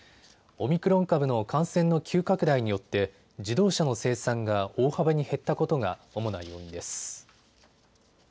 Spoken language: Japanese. オミクロン株の感染の急拡大によって自動車の生産が大幅に減ったことが主な要因です。